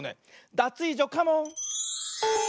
ダツイージョカモン！